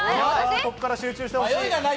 ここから集中してほしい。